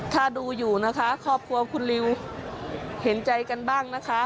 ถ้าดูอยู่นะคะครอบครัวคุณลิวเห็นใจกันบ้างนะคะ